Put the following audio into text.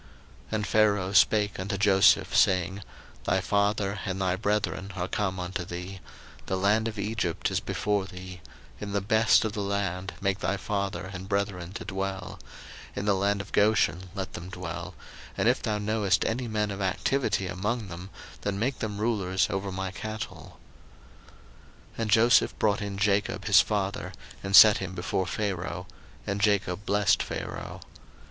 01:047:005 And Pharaoh spake unto Joseph, saying, Thy father and thy brethren are come unto thee: 01:047:006 The land of Egypt is before thee; in the best of the land make thy father and brethren to dwell; in the land of Goshen let them dwell: and if thou knowest any men of activity among them, then make them rulers over my cattle. 01:047:007 And Joseph brought in Jacob his father, and set him before Pharaoh: and Jacob blessed Pharaoh.